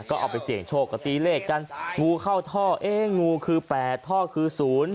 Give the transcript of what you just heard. ก็เอาไปเสี่ยงโชคก็ตีเลขกันงูเข้าท่อเอ๊ะงูคือ๘ท่อคือ๐